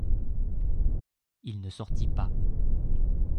Il ne sortit pas.